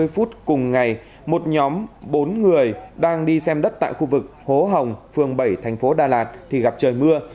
ba mươi phút cùng ngày một nhóm bốn người đang đi xem đất tại khu vực hố hồng phường bảy thành phố đà lạt thì gặp trời mưa